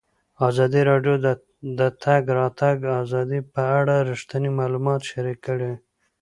ازادي راډیو د د تګ راتګ ازادي په اړه رښتیني معلومات شریک کړي.